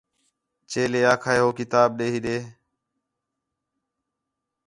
چیلے آکھا ہے ہو کتاب تے ہِݙے